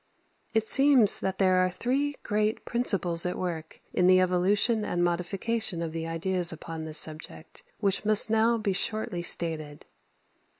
It seems that there are three great principles at work in the evolution and modification of the ideas upon this subject, which must now be shortly stated.